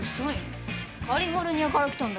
カリフォルニアから来たんだよ。